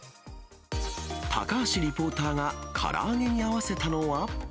高橋リポーターがから揚げに合わせたのは。